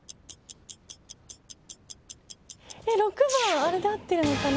６番あれで合ってるのかな？